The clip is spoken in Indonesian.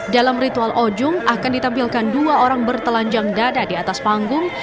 dalam ritual ojung akan ditampilkan dua orang bertelanjang dada di atas panggung